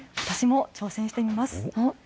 私も挑戦してみます。